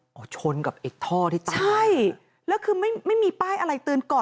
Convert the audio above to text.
พอชนกับไอ้ท่อที่ตายใช่แล้วคือไม่มีป้ายอะไรเตือนก่อน